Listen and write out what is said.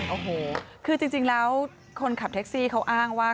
โอ้โหคือจริงแล้วคนขับแท็กซี่เขาอ้างว่า